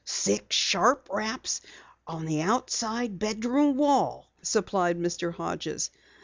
"Six sharp raps on the outside bedroom wall," supplied Mr. Hodges.